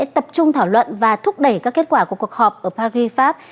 vòng đàm phán sẽ tập trung thảo luận và thúc đẩy các kết quả của cuộc họp ở paris pháp